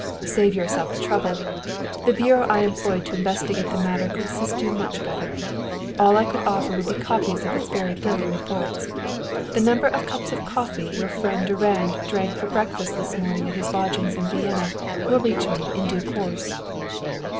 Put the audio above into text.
"Save yourself the trouble! The bureau I employed to investigate the matter could assist you much better. All I could offer would be copies of its very thorough reports. The number of cups of coffee your friend Durand drank for breakfast this morning at his lodgings in Vienna will reach me in due course!"